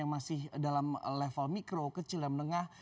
yang masih dalam level mikro kecil dan menengah